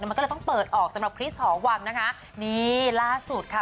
มันก็เลยต้องเปิดออกสำหรับคริสหอวังนะคะนี่ล่าสุดค่ะ